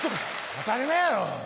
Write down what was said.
当たり前やろう！